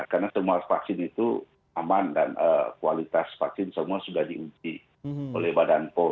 karena semua vaksin itu aman dan kualitas vaksin semua sudah diuji oleh badan pol